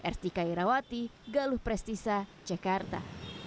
r t k irawati galuh prestisa jakarta